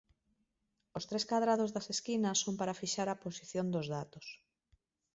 Os tres cadrados das esquinas son para fixar a posición dos datos.